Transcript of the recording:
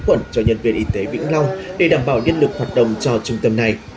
khuẩn cho nhân viên y tế vĩnh long để đảm bảo nhân lực hoạt động cho trung tâm này